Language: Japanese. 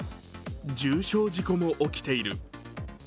重傷事故も起きている。